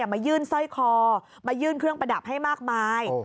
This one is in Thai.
มายื่นสร้อยคอมายื่นเครื่องประดับให้มากมาย